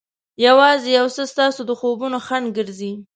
یوازې یو څه ستاسو د خوبونو خنډ ګرځي.